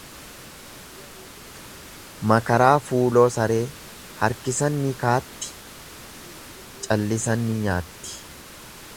Makaraa fuuloo saree harkisan ni kaatti, callisan ni nyaatti.